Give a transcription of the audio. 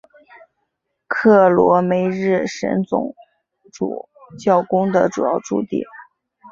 克罗梅日什总主教宫的主要驻地。